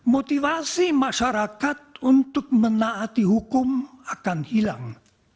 motivasi masyarakat untuk menaati hukum akan hilang